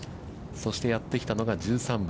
そして、やってきたのが１３番。